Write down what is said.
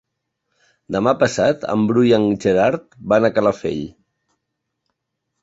Demà passat en Bru i en Gerard van a Calafell.